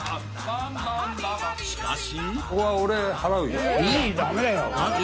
しかし。